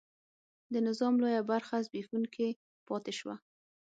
د نظام لویه برخه زبېښونکې پاتې شوه.